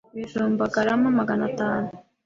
Ibijumba garama Magana atanu